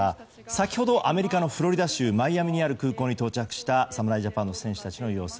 先ほど、アメリカのフロリダ州マイアミにある空港に到着した侍ジャパンの選手たちの様子。